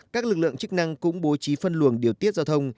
các lực lượng chức năng cũng bố trí phân luồng điều tiết giao thông